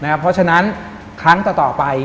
เพราะฉะนั้นครั้งต่อไป